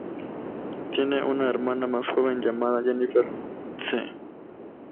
Tiene una hermana más joven llamada, Jennifer Tse.